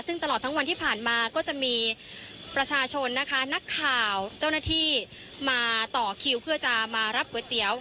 ซึ่งตลอดทั้งวันที่ผ่านมาก็จะมีประชาชนนะคะนักข่าวเจ้าหน้าที่มาต่อคิวเพื่อจะมารับก๋วยเตี๋ยว